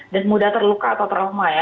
dan mudah terluka atau trauma ya